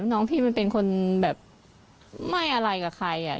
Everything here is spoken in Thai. น้องพี่มันเป็นคนแบบไม่อะไรกับใครอ่ะ